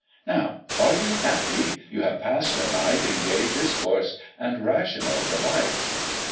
"Now are you happy? you have pass'd a night In gay discourse, and rational delight."